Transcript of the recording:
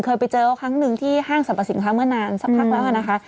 เคยไปเจอเขาครั้งหนึ่งที่ห้างสรรพสินค้าเมื่อนานสักพักแล้วนะคะ